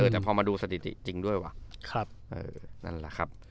แต่พอมาดูสติติจริงด้วยวะ